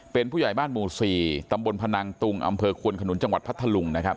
เป็นผู้ใหญ่บ้านหมู่๔ตำบลพนังตุงอำเภอควนขนุนจังหวัดพัทธลุงนะครับ